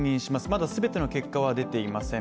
まだ全ての結果は出ていません。